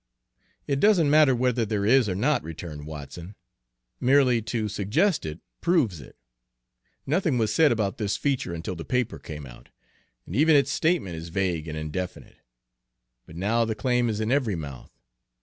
"It doesn't matter whether there is or not," returned Watson. "Merely to suggest it proves it. "Nothing was said about this feature until the paper came out, and even its statement is vague and indefinite, but now the claim is in every mouth.